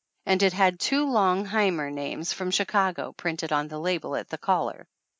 And it had two long "heimer" names from Chicago printed on the label at the collar.